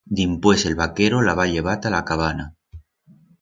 Dimpués el vaquero la va llevar ta la cabana.